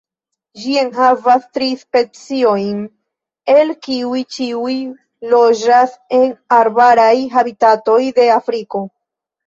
Ĝi enhavas tri speciojn, el kiuj ĉiuj loĝas en arbaraj habitatoj de Afriko.